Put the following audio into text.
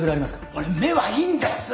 俺目はいいんです。